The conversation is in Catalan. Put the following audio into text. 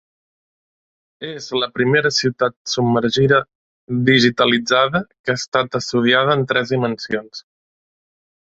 És la primera ciutat submergida digitalitzada que ha estat estudiada en tres dimensions.